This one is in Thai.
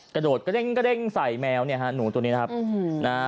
กดกระด้งใส่แมวหนูตัวนี้นะครับ